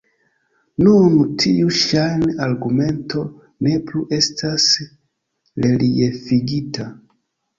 Nun tiu ŝajn-argumento ne plu estas reliefigita.